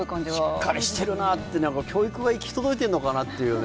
しっかりしてるなと、教育が行き届いているのかなというね。